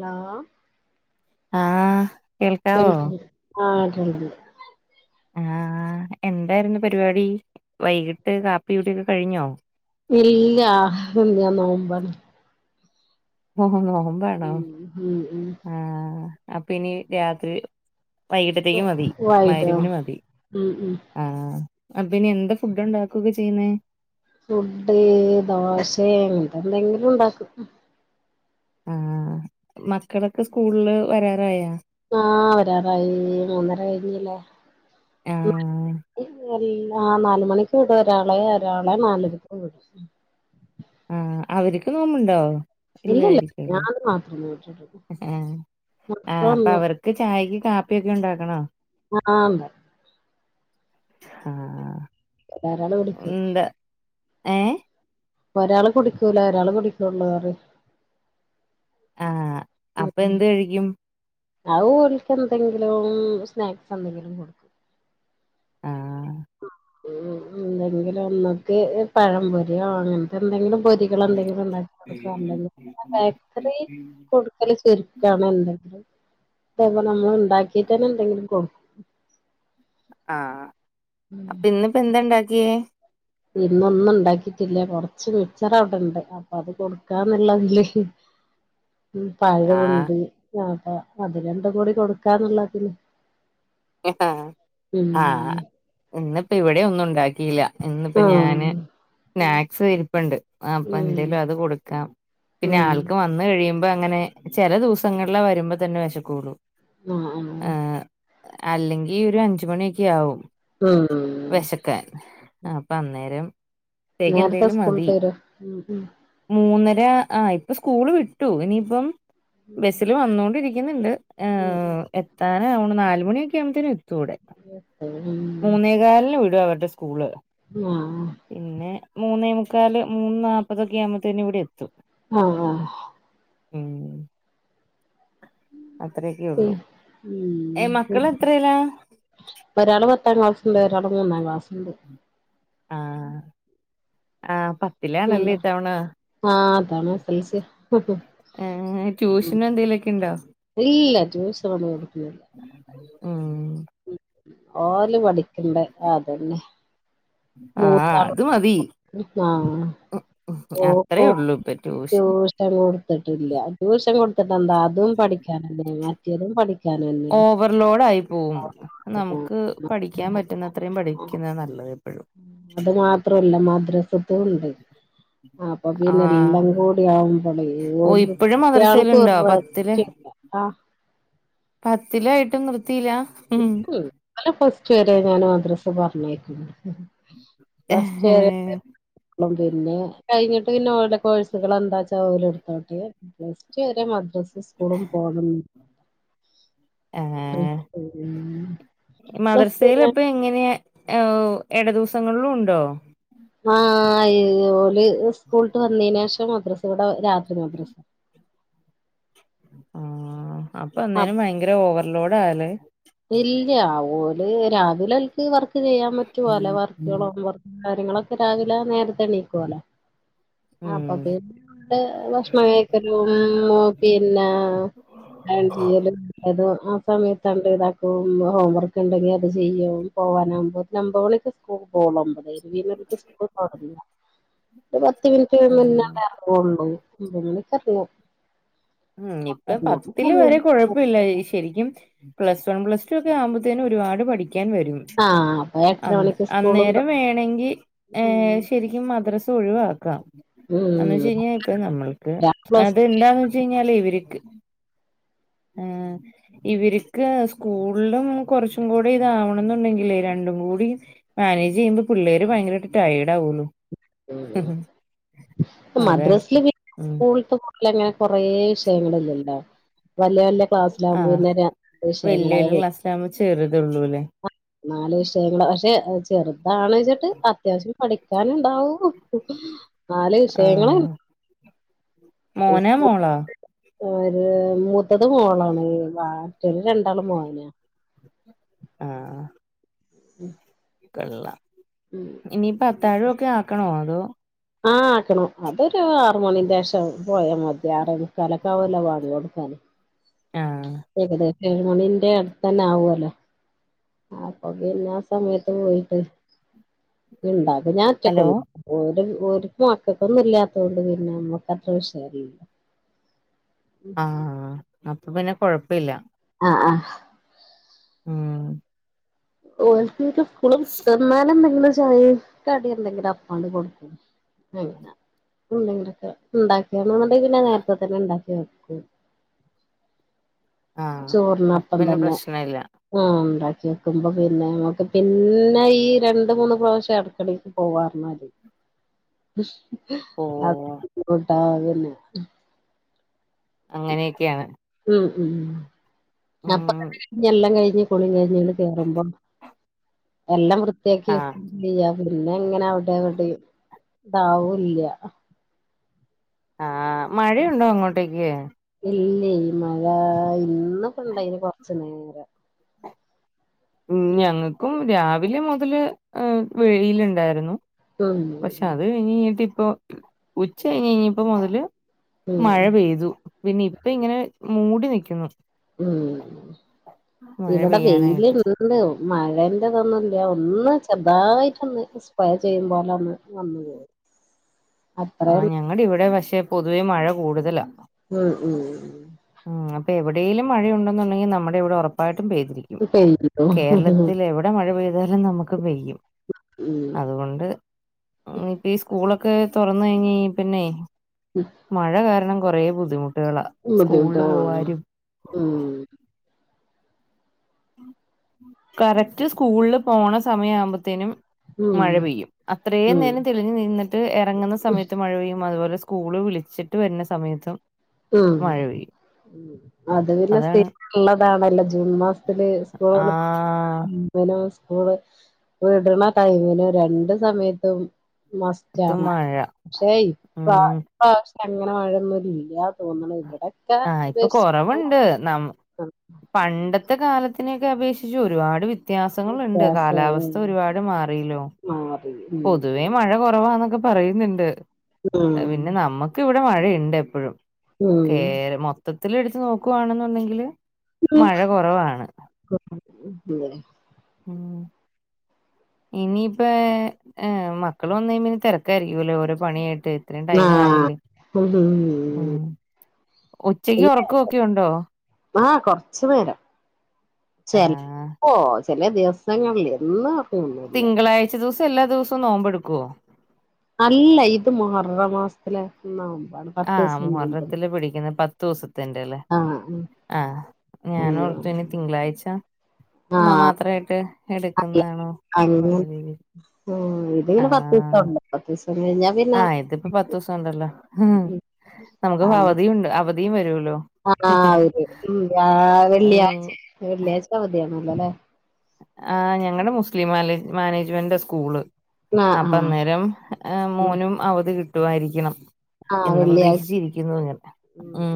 Hello ആ ആഹ് മന്ദി [unintelligible] ആഹ് എന്തായിരുന്നു പരിപാടി വൈകീട്ട് കാപ്പികുടി ഒക്കെ കഴിഞ്ഞോ ഇല്ല ഞാ നോമ്പാണ് ഉ [unintelligible] നോമ്പാണോ ഉം ഉം ഉം ആഹ് അപ്പൊ ഇനി രാത്രി വൈകിട്ടത്തേക്ക് മതി വൈകിട്ടോ മഹ്രി ബ്ന് മതി ഉം ഉം ആഹ് അപ്പനി എന്താ ഫുഡ് ഉണ്ടാക്കുക ചെയ്യുന്നേ ഫുഡ് ദോശെ അങ്ങൻത്തെ എന്തെങ്കിലും ഉണ്ടാക്കും ആഹ് മക്കളൊക്കെ സ്കൂള്ല് വരാറായാ ആഹ് വരാറായി മൂന്നര കഴിഞ്ഞില്ലേ ഉം ആഹ് ഉം [inaudible] എല്ല ആഹ് നാല് മണിക്ക് വിടൊരാളെ ഒരാളെ നാലരക്കു വിടും ഉം ആഹ് അവർക്ക് നോമ്പ്ണ്ടോ ഇല്ലല്ല ഇല്ലരിക്കുവല്ലേ ഞാൻ മാത്രം വീട്ടിലുള്ളൂ ആഹ് ആഹ് അപ്പൊ മക്കളൊന്നും അവർക്ക് ചായക്ക് കാ പ്പിക്കെണ്ടാക്കണോ ആഹ് [unintelligible] ആഹ് വേർരാള്കൊട്ക്ക് ഏ ഒരാള് കുടിക്കൂല ഒരാള് കുടികൊള്ള് [unintelligible] ആഹ് അപ്പ എന്ത് കഴിക്കും ആ ഓൽക്ക് എന്തെങ്കിലും സ്നാക്സ് എന്തെങ്കിലും കൊടു ആഹ് ഉം എന്തെങ്കിലും ഒന്നിക്ക് പഴംപൊരിയോ അങ്ങൻത്തെന്തെങ്കിലും പൊരികൾ എന്തെങ്കിലുംണ്ടാക്കി കൊടുക്ക അല്ലെങ്കിൽ ബേക്കറി കൊടുക്കൽ ചുരിക്കാണ് എന്തെങ്കിലും ത [unintelligible] നമ്മൾ ഉണ്ടാക്കിട്ടന്നെ എന്തെങ്കിലും കൊ മ്മ് ആഹ് അപ്പൊ ഇന്നിപ്പ എന്താണ്ട ക്കിയേ ഇന്നൊന്നു ഒണ്ടാക്കിട്ടില്ല കൊറച്ച് മിച്ചർ അവിടെണ്ട് അപ്പൊ അത് കൊടുക്കാന്നുള്ളതില് ഉം പഴവൊണ്ട് ആഹ് ആഹ് അത് രണ്ടും കൂടി കൊടുക്കാന്നുള്ളതിന് ങാആഹ് ഇന്ന് ഇവിടെ ഒന്നും ഉണ്ടാക്കി ഇല്ല ഇന്നിപ്പോ ആഹ് ഞാന് സ്നാക്സ് ഇരിപ്പുണ്ട് ഉം അപ്പ ഉം എന്തേലും അത് കൊടുക്കാം പിന്നെ ഉം ആൾക്ക് വന്ന് കഴിയുമ്പോ അപ്പോം അങ്ങനെ ചില ദിവസങ്ങളില് വരുമ്പോ തന്നെ വെശക്കുള്ളൂ ആഹ ആ അല്ലെങ്കിൽ ഒരു അഞ്ചുമണിയൊക്കെ ആവുംും ഉം വിശക്കാൻ അപ്പൊ അന്നേരം ത്തേക്ക് നേരത്തെ എന്തേലും മതി സ്കൂൾട്ടരും. ഏ ആ ഇപ്പം സ്കൂള് വിട്ടു ഇനിയിപ്പം ഉം ബസില് വന്നൊണ്ടിരി ക്ക്‌ന്ന്‌ണ്ട്. ആ ഉം എത്താൻ ആ ഓന് നാല് ണിയൊക്കെ യാവുമ്പതേനും എത് ടെ ഉം മൂന്നേകാലിന് വിട്ട് അതവരുടെ സ്‌ സ്കൂള് ഉം പിന്നെ മൂന്നേമു ക്കാല് മൂന്ന് നാപ്പതൊക്കിയാമത്തേന് ഇവിടെ എത്തും. ആഹാ ഉം അത്രയൊക്കെ ഉള്ളൂ. ഉം ഏഹ് മക്കളെത്രയിലാ? ഒരാള് പത്താം ക്ലാസ്സിസും വെറാൾ മൂന്നാം ക്ലാസ്സുണ്ട്. ആ ആ പത് വേണ്ട ആ അതാണ് എസ് എൽ സിയാ ഏഹ് ട്യൂഷനും എന്തേലൊക്കെ ഇണ്ടോ? ഇല്ലാ ട്യൂഷനൊന്നും കൊടുക്കുന്നില്ല. ആ ഓല് പഠിക്കണ്ടെ അതന്നെ. ആഹാ അത് മതി. ആ അത്രേ ഓക്കും ഉള്ളൂ ഇപ്പൊ ട്യൂഷൻ കൊടുത്തിട്ടില്ല ട്യൂഷൻ കൊടുത്തിട്ടെന്താ അതും പഠിക്കാനല്ലേള്ളെ. [unintelligible] ഓവർലോഡായി പോവും ആഹ് നമുക്ക് പഠിക്കാൻ പറ്റുന്നത്രയും പഠിക്കുന്ന നല്ലത് എപ്പഴും. മദ്രസും സുണ്ട് അപ്പ പിന്നെ ആഹ് എല്ലാം കൂടി ആവുമ്പളെ ഓ [unintelligible] ഇപ്പഴും കുട്ട്യാൾക്കും മദ്രസയിലുണ്ടോ ഒരു പത്തില് റെസ്റ്റ് ആ [unintelligible] ഉം [unintelligible] ഫസ്റ്റ് വരെ ഞാന് മദ്രസ പറഞ്ഞയ്ക്കും [unintelligible] [unintelligible] പിന്നെ കഴിഞ്ഞിട്ട് പിന്നെ ഓർടെ കോഴ്സുകൾ എന്താച്ചാ ഓരെടുത്തോട്ടെ പ്ലസ് ടു വരെ മദ്രസ് സ്കൂളും പോകും. ഉം ആഹ് [unintelligible] എ ഓ എട ദിവസങ്ങളിലും ഉണ്ടോ ആഹ് ആയി അതോല് സ്കൂളിട്ട് വന്നീനേഷം മദ്രസ വടെ രാ ത്രി മദ്രസ ആഹ് അപ്പൊ അന്നേരം ഭയങ്കര ഓവർലോഡ് ടാലേ ഇല്ല്യാ ഓല് രാ ഓലൊൽക്ക് വർ ക്ക്‌ ചെയ്യാൻ പറ്റുവല്ല ഉം വർക്കുകൾ ഹോം വർ കാര്യങ്ങളൊക്കെ രാവിലെ നേരത്തെ എണീക്കൂവോല്ലോ അപ്പൊ പിന്നെണ്ട് ഭക്ഷണം കഴിക്കലും പിന്നെ അയൺ ചെയ്യലും അത്‌ ആം സമയത്താണ്ട്താക്ക പോവുമ്പോ ഹോം വർക്ക് ണ്ടെങ്കി അത് ചെയ്യും പോവാനകുമ്പോത്തിന് ഒമ്പമണിക്ക്‌ സ്കൂൾക്ക്‌ പോണം ഒമ്പതേ [unintelligible] സ്കൂൾ തൊടങ്ങാ ഒരു പത്ത് മിൻറ്റ് ഉം മുന്നാണ്ടെറാങ്ങുള്ളൂ എന്തെങ്കിലു [unintelligible] ഉം ഇപ്പ പത്തില് വരേ കുഴപ്പമില്ല ശരിക്കും പ്ലസ് വൺ പ്ലസ് ടു ഒക്ക ആകുമ്പത്തിനെന്നെ ഒരുപാട് പഠി ക്കാൻ വരും ആ അപ്പൊ എട്ടര അന്നേരം മണിക്ക് സ്കൂളും തൊ അന്നേരം വേണെങ്കി ഏ ഉം ശരിക്കും മദ്രസ തൊഴിവാക്കാം എന്ന് വെച്ച് ഉം കഴിഞ്ഞാ ഇപ്പ നമ്മൾക്ക് പ്ലസ് അത്ണ്ടാന്ന് വെ ഇവര്ക്ക് ആഹ് ഇവര്ക്ക സ്കൂളിലും കുറച്ചും കൂടി ഇതാവണംന്നുണ്ടെങ്കിലേ രണ്ടും കൂടി മാനേജ് ചെയ്യുമ്പോ പിള്ളേര് ഭയങ്കരട്ട് ടയേഡ് ആകുള്ളു മു മു അതാണ് മദ്രാസല് പിന്നെ ഉം സ്കൂൾ റ്റൂർ ലെഅങ്ങനെ കൊറേ വിഷയങ്ങളില്ലല്ലോ വല്യ വല്യ ആഹ് ക്ലാസ്സിലാകുമ്പോന്ന ന്ന വല്യ വിഷയങ്ങളാ വല്യ വെ ക്ലാസ്സിലാവുമ്പോ ചെറുതൊള്ളൂല്ലേ നാല് വിഷയങ്ങളാ പക്ഷെ ചേറ് താണ് വെച്ചിട്ട് അത്യാവശ്യം പഠിക്കാനുണ്ടാവു നാല് വിഷയങ്ങളണ് ആഹ് മോനാ മോളാ ഓരോ റ്റത് മോളാണ് വാ റ്റന് രണ്ടാള് മോനാ ആഹ്ആ ഉംഹ് കള്ള ഇനിപ്പ അത്താഴൊക്കെ ആക്കണോ ന്തോ ആഹ് ആക്കണം. അതൊരു ആറ് മണിന്റെഷം പോയാ മതി [unintelligible] കലക്കാവല്ല വാഡിയോട്ക്കാന് ആഹ് ഏകദേശ അയോണിന്റാണ് തന്നാവോല്ലോ ആപ്പ പിന്നെ സമയത്ത് പോയിട്ട് ഇണ്ടാ ഞാ ഹലോ ഒറ്റക്കൊള്ളൂ ഓല് ഓര്ക്ക് മക്കക്കൊന്നുല്ലാതോണ്ട് പിന്നെ അമ്മക്ക് അത്ര വിഷയല്ല ആഹ് അപ്പൊ പിന്നെ കൊഴപ്പില്ല. അഹ് ആഹ് ഉം [unintelligible] സ്‌കൂളും തൊർന്നാല് [unintelligible] [unintelligible] കടി എന്തെങ്കിലും അപ്പാണ്ട് കൊട്ക്കും. അങ്ങനെ എന്തെങ്കിലൊക്കെ ണ്ടാക്കി [unintelligible] പിന്നെ നേരത്തെ തന്നെ ഉണ്ടാക്കി വെ ക്കും. ആഹ് അപ്പൊ ചോറിനപ്പം പിന്നെ തന്നെ പ്രശ്നല്ല ആ ണ്ടാക്കു ക്കുമ്പോ പിന്നെ നമുക്ക് പിന്നെ ഈ രണ്ട് മൂന്ന് പ്രാവശ്യം അട്ക്കളേക്ക് പോവാറന്നാല് അതെ ഓഹ് ആ അതെന്നെ അങ്ങനെയൊക്കെയാണ് മ് മ് മ് അപ്പ ഉം തന്നെ കഴിഞ് എല്ലാം കഴിഞ്ഞ് കുളി കഴിഞ്ഞങ്ങ് കേറുമ്പോ എല്ലാം വൃ വൃത്തിയാക്കി ആഹ് വെക്കും ചെയ്യാ പിന്നെ അങ്ങനെ അവിടെ ഇവിടെ ഇതാവുല്ല്യ ആ മഴയുണ്ടോ അങ്ങോട്ടേക്ക് ഇല്ല മഴ ഇ ഇന്നൊക്ക ഉണ്ടായീഞ്ഞു കുറച്ചു അന്നേരം മ് ഞങ്ങൾക്കും രാവിലിം ഉ ല് വെയിൽ ഇണ്ടായിരുന്നു ഉം പക്ഷെ അത് കഴിഞ് കഴിഞ്ഞിട്ട് ഇ ഇപ്പൊ ഉച്ച കഴിഞ്ഞ് കഴിഞ്ഞപ്പോ മുതല് ഉം മഴ പെയ്തു പിന്നെ ഇപ്പ ഇങ്ങനെ മൂടി നൽക്കുന്നു മ് മഴ ഇവിടെ വെയില് പെയ്യാനായിട്ട് ല്ണ്ട് മഴന്റെ ഇതൊന്നും ഇല്ല ഒന്നും ചെറ്തായിട്ടൊന്ന് സ്പ്രേ പെയ്യുമ്പോലന്ന് വന്നു പോയി അത്രേ ആ ഞങ്ങുടെ ഇവിടെ വക്ഷ പക്ഷേ പൊതുവെ മഴ കൂടുതലാണ് മ് മ് മ് മ് അപ്പൊ എവിടേലുംമഴഉണ്ടെന്നുണ്ടെങ്കിൽ നമ്മുടെ ഇവിടെ ഉറപ്പായിട്ട് പ്പായിട്ടും പെയ്തിരിക്കും പെയ്തു കേരളത്തിൽ എവിടെ മഴ പെയ് അന്നേരം നമ്മുക്ക് പെയ്യും ഉം അതുകൊണ്ട് ഇപ്പ സ്കൂളൊക്കെ ഒക്കെ തുറന്ന് കഴിഞ് പിന്നെ മഴ കാരണം കുറേ ബുദ്ധിമുട്ടുകളാണ് ബുദ്ധിമുട്ടുകൾ ആണ് മ് [inaudible] കറക്റ്റ് സ്കൂളില് പോണ സമയം ആവുമ്പോത്തേനും ഉം മഴ പെയ്യും അത്രയും ഉം നേരം തെളിഞ്ഞ് നിന്നിട്ട് ഇറങ്ങുന്ന സമയത്ത് മഴ പെയ്യും അതുപോലെ സ്‌ സ്കൂള് വിളിച്ചിട്ട് വരുന്ന സമയത്തും ഉം മഴ പെയ്യും അത് പിന്നെ അതാണ് സ്ഥിര ഒള്ള ണല്ലോ ജൂൺ മാസ ത്തില് സ്കൂളുകള് ആഹ് [unintelligible] പൂവ് വിടണ ടൈമിന് രണ്ടു സമയത്തും ത്തും മാസ്റ്റാണു മഴ പക്ഷെ ഇപ്പ ഉം [unintelligible] അങ്ങനെ മഴ ഒന്നും ലില്യ തോന്ന്ണു ഇവിടെ ആഹ് ഇപ്പൊ കൊറവുണ്ട് നമു പണ്ട ത്തെ കാലത്തിനെയൊക്കെ അപേക്ഷിച്ച് ഒരുപാട് വി ത്യാസങ്ങളുണ്ട് വ്യത്യാസം കാലാവസ്ഥ ഉം ഒരുപാട് മാറില്ലോ മാറി ഉം പൊതുവേ മഴ കുറവാന്നൊക്കെ പറയുന്ന്ണ്ട് പിന്നെ നമ്മുക്ക് ഇവിടെ മഴയ ഉണ്ട് എപ്പഴും ഉം മൊത്തത്തിലൽ എടുത്ത് നോക്കുവാണെന്നുണ്ടെങ്കില് ഉം മഴ കുറവാണ് ഉം ഇനിയിപ്പ എ മക്കൾ വന്ന് കഴിയുമ്പ തിരക്കായരിക്കൂല്ലോ ഓരോ പണിയാ ത് ഇത്രം ടൈം ആയില്ലേ ഉം ഉച്ചക്ക് ഉറക്കൊക്കെഒണ്ടോ ആ കൊറച് നേരം ചെല് ആഹ് പ്പോ ഓ ചില ദിവസങ്ങളില് എന്നു തിങ്കളാഴ്ച ദിവസ എല്ലാ ദിവസവും നോമ്പ് എടുക്കുവോ അല്ല ഇത് മുഹറ മാസത്തിലെ നോമ് ആ മുഹറത്തില് പിടിക്കുന്ന പ തോസ് ത്തിന്റെ അല്ലേ ആഹ് ആഹ് ഞാനോർത്തു ഇനി തിങ്കളാഴ്ച എന്നാ ആഹ് മാത്ര ആയിട്ട് എടുക്കുന്നതാണോ അങ്ങനെ ആഹ് അല്ല അങ്ങനെ എന്നുള്ള രീതിൽ ആഹ് ഇതിങ്ങനെ പത്ത് ദിവസം ആഹ് ഉണ്ട് പത്ത് ദിവസം കഴിഞ്ഞാ ആ പിന്നെ ഇതിപ്പ പത്ത് ദിവസം ഉണ്ടല്ലോ ഉം നമുക്കപോ അവധിയുണ്ട് അവ ധീം വരു ആ വരും തിങ്കാ ഉം വെള്ളിയാഴ്ച വെള്ളിയാഴ്ച അവധിയണല്ലോ അല്ലേ ആ ഞങ്ങള് മുസ്ലിം മാലേ മാനേജ്മെന്റ് സ്കൂള് ആഹ് അപ്പ ആഹ് അന്നേരം ഉം മോനും അവധി കി കിട്ടുമായിരിക്കണം ആഹ് എന്ന വെള്ളിയാഴ്ച പ്രദേശിച്ചിരിക്കുന്നു ഇങ്ങനെ ഉ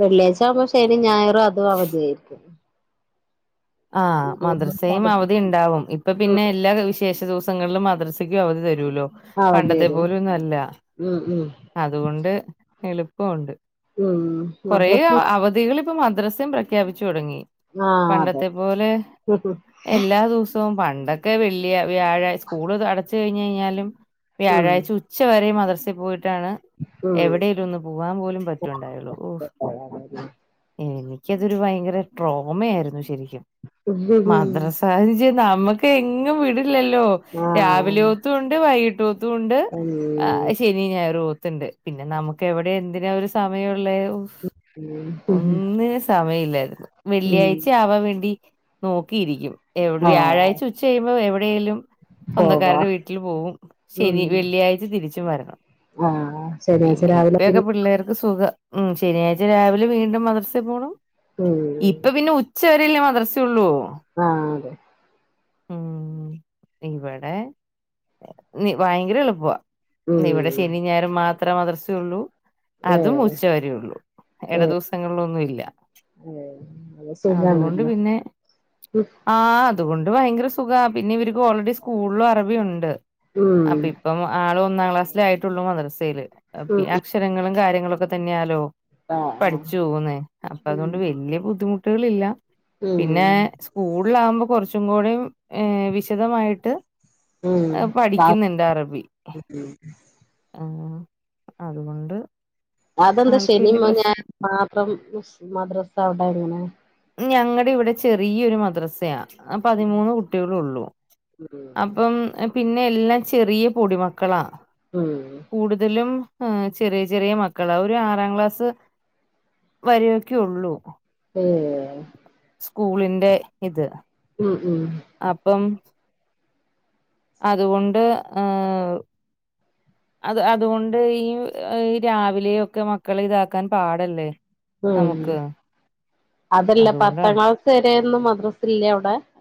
വല്ലേ അമ ശന് ഞായറും അതും അവധിയായിരിക്കും ആഹ മദ്രസയും അവധി ഉണ്ടാവും ഇപ്പൊ പിന്നെ എല്ലാ വിശേഷ ദിവസവും ങ്ങളിലും മദ്രസക്കും അവധി തരും അവധി പണ്ടത്തെ വരും പോല ഒന്നും അല്ല ഉം ഉം അതുകൊണ്ട് എളുപ്പമുണ്ട് ഉം അ്ര മദ്രസ്യം പ്രഖ്യാപിച്ചു തുടങ്ങി ആഹ് പണ്ടത്തെ അതേപോലെ അതെ എല്ലാ ദിവസവും പണ്ടൊക്കെ വെള്ളിയ വ്യാഴ സ്കൂള് അടച്ച കഴിഞ്ഞഞ് കഴിഞ്ഞാലും ഉം വ്യാഴാഴ്ച ഉച്ച വരെ മത്ര പോയി ഉം എവിടെലും ഒന്ന് പോവാാൻ പോലും പറ്റണ്ടായുള്ളു ഓ എനിക്ക് അതൊരു ഭയങ്കര ട്രോമ ആയിരുന്നു ശരി മദ്രസ നമുക്ക് എങ്ങ വ ല്ലോ രാവിലെ ആഹ് ഓത്ത കൊൊണ്ട് വൈക് അതൊണ്ട് ശനി ഞായർ ത്തിന്റെ പിന്നെ നമുക്ക് എവിടെ എന് അ ഒരു സമയ ഉം ഉം ഒന്നും സമയല്ല ആ ഉം വെള്ളിയാഴ്ച ആവാൻ വേണ്ട നോക്കിയിരിക്കും എവിടെ ആഹ് വ്യാഴാഴ്ച ഉച്ചഴുമ്പോ എവിടെ േലും പോവാ സ്വന്തക്കാരുടെ വീട്ടിൽ പോകും ഉം ശനി വെള്ളിയാഴ് തിരിച്ചും വരണം ആഹ് ശനിയാഴ്ച പിന്നെ രാവിലെ ഇപ്പൊക്കെ പിന്നെ പിള്ളേർക്ക് സുഖം ഉ ശനിയാഴ്ച രാവിലെ വീണ്ടും മദർസ പോണം ഉം ഇപ്പൊ പിന്നെ ഉ ശരി [inaudible] ദ്രസ ഉള്ളു ആഹ അതെ ഉം ഇവിടെ ഭയങ്കര എളുപ്പ ഉം ഇവിടെ ശനി ഞായറും മാത്രം അത്ര മദർസ ഉള്ളൂ അതും ഏഹ് ഉച്ചവരള്ളു ഇട ഏഹ് ദിവസങ്ങളിലൊന്നുംല്ല ഏഹ് അത് അതുകൊണ്ട് സുഖാണല്ലോ പിന്നെ ഉം ആ അതുകൊണ്ട് ഭയങ്കര സുഖ പിന്നെ ഇവർക്ക് ഓൾറെഡി സ്കൂളിലും അറബി യുണ്ട് അപ്പൊ ഇപ്പം ആള് ഒന്നാം ക്ലാസ് മസിൽ ആയിട്ടുള്ളൂ മദ്രസയില് ഉം അക്ഷരങ്ങളും കാര്യ നിങ്ങളൊക്കെ തന്നെയാലോ ആഹ് ആഹ് പഠിച്ചു പോകുന്നേ അപ്പൊ അതുകൊണ്ട് ഉം വലിയ ബുദ്ധിമുട്ട് ടുകളളില്ല ഉം പിന്നെ സ്കൂളില ആകുമ്പോ കുറച്ച് ചറ്റുംകോടെയും ഏ വിശദമായിട്ട് ഉം ആ, പഠിക്കുന്നുണ്ട് അറബി അതുകൊണ്ട് അതെന്താ ആൾക്ക് വല്യ ശനിമ്മ പ്രശ്നം ഞായറും മാത്രം മദ്രസ അവിടങ്ങനെ ഞങ്ങടെ ഇവിടെ ചെറിയൊരു മദ്രസയ പതിമൂന്ന് കുട്ടികള ഉള്ളൂ ഉം അപ്പം പിന്നെ എല്ലാം ചെറിയ പൊടിമക്കളാ ഉം കൂടുതലും ചെറിയ ചെറിയ മക്കളാ ഒരു ആറാം ക്ലാസ് വരൊക്കെ ഉള്ളൂ ഏ സ്കൂളിൻ്റെ ഇത് ഉം അപ്പം അതുകൊണ്ട് ഏ അത് അതുകൊണ്ട് ഈ രാവിലെയൊക്കെ മക്കളെ ഇതാക്കാൻ പാടല്ലേ ഉം നമുക്ക് അതല്ല അതുകൊണ്ടാണ് പത്താം ക്ലാസ് വരെ ന്ന് മദ്രാസ ഇല്ലേ അവിടെ